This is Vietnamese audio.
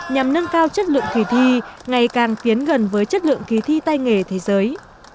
nhằm nâng cao chất lượng kỳ thi ngày càng tiến gần với chất lượng kỳ thi tay nghề thế giới